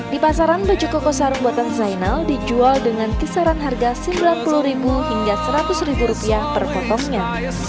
di pasaran baju koko sarung buatan zainal dijual dengan kisaran harga rp sembilan puluh hingga rp seratus per potongnya